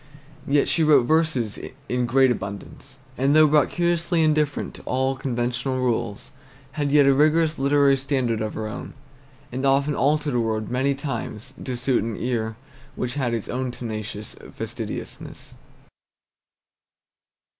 Yet she wrote verses in great abundance; and though brought curiously indifferent to all conventional rules, had yet a rigorous literary standard of her own, and often altered a word many times to suit an ear which had its own tenacious fastidiousness.